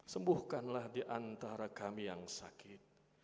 sembuhkanlah di antara kami yang sakit